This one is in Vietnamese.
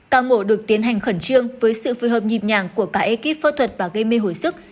ca mổ được tiến hành khẩn trương với sự phối hợp nhịp nhàng của cả ekip phẫu thuật và gây mê hồi sức